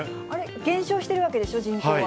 減少しているわけでしょ、人口は。